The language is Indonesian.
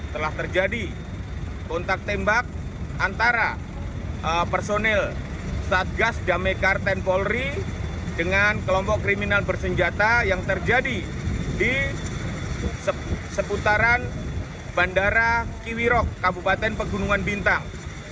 telah terjadi kontak tembak antara personil satgas damekar tni polri dengan kelompok kriminal bersenjata yang terjadi di seputaran bandara kiwirok kabupaten pegunungan bintang